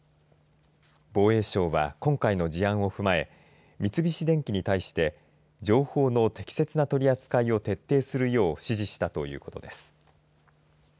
防衛省は今回の事案を踏まえ三菱電機に対して情報の適切な取り扱いを徹底するよう指示したということです。